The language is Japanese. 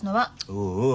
おうおう。